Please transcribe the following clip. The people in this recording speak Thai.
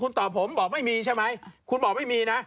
คุณตอบผมบอกไม่มีใช่ไหมคุณบอกไม่มีนะ